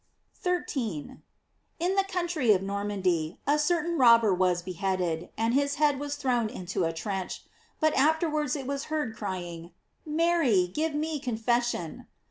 13. — In the country of Normandy a certain robber was beheaded, and his head was thrown into a trench; but afterwards it was heard cry ing: "Mary, give me confession."